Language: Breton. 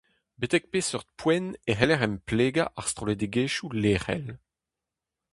Betek peseurt poent e c'heller emplegañ ar strollegezhioù lec'hel ?